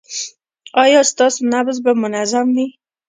ایا ستاسو نبض به منظم وي؟